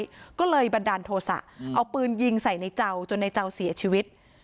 ก็เลยบันดาลโทษะเอาปืนยิงใส่ในเจ้าจนในเจ้าเสียชีวิต